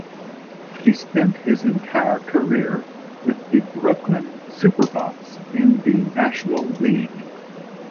He spent his entire career with the Brooklyn Superbas in the National League.